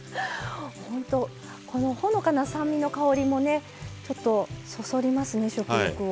ほんとこのほのかな酸味の香りもねちょっとそそりますね食欲を。